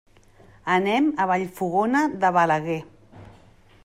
Anem a Vallfogona de Balaguer.